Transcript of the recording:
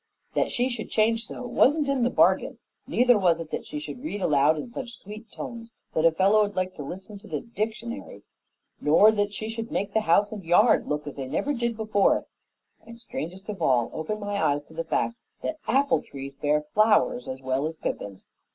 That she should change so wasn't in the bargain; neither was it that she should read aloud in such sweet tones that a fellow'd like to listen to the dictionary; nor that she should make the house and yard look as they never did before, and, strangest of all, open my eyes to the fact that apple trees bear flowers as well as pippins.